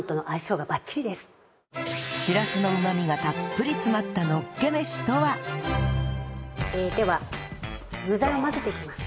しらすのうまみがたっぷり詰まったのっけ飯とは？では具材を混ぜていきます。